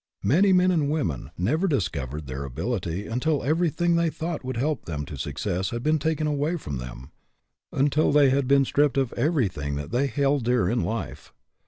Many men and women never dis 92 RESPONSIBILITY DEVELOPS covered their ability until everything they thought would help them to success had been taken away from them; until they had been stripped of everything that they held dear in life.